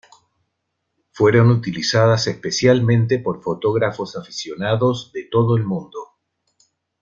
Fueron utilizadas especialmente por fotógrafos aficionados de todo el mundo.